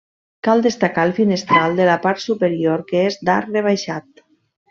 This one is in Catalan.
Cal destacar el finestral de la part superior que és d’arc rebaixat.